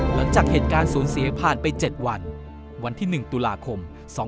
หลังจากเหตุการณ์สูญเสียผ่านไป๗วันวันที่๑ตุลาคม๒๕๖